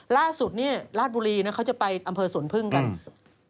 ล่าสุดนี่ราชบุรีนะเขาจะไปอำเภอสวนพึ่งกัน